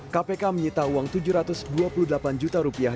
kpk menyita uang tujuh ratus dua puluh delapan juta rupiah